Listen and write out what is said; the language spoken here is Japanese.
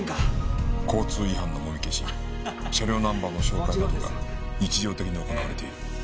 交通違反のもみ消し車両ナンバーの照会などが日常的に行われている。